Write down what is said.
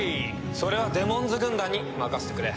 それはデモンズ軍団に任せてくれ。